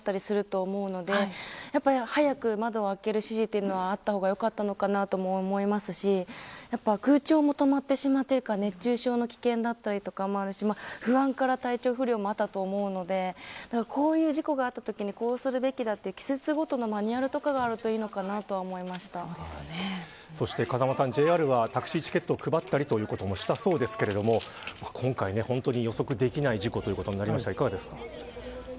やっぱり不安になると呼吸も早くなったりすると思うので早く窓を開ける指示というのはあった方がよかったのかなとも思いますし空調も止まってしまっているから熱中症の危険だったりもあるし不安から体調不良もあったと思うのでこういう事故があったときにこうするべきだという季節ごとのマニュアルとかがそして風間さん、ＪＲはタクシーチケットを配るということもしたそうですが今回、本当に予測できない事故ということになりました。